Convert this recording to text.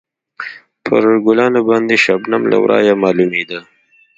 پر ګلانو باندې شبنم له ورایه معلومېده.